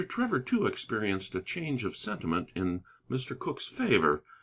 Trevor, too, experienced a change of sentiment in Mr. Cooke's favor.